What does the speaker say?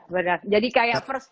benar jadi kayak